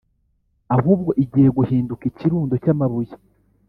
ahubwo igiye guhinduka ikirundo cy’amabuye.